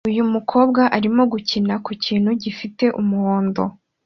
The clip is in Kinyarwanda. Uyu mukobwa arimo gukina ku kintu gifite umuhondo